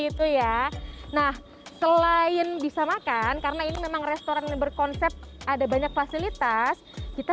itu ya nah selain bisa makan karena ini memang restoran berkonsep ada banyak fasilitas kita